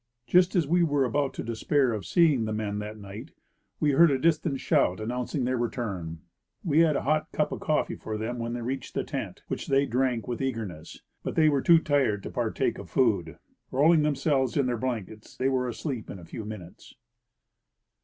Just as we were about to despair of seeing the men that night we heard a distant shout announcing their re turn. We had a cup of hot coffee for them when they reached the tent, which they drank with eagerness ; but they were too tired to partake of food. Rolling themselves in their l^lankets, they were asleep in a few minutes.